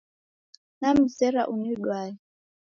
Namzera unidwaye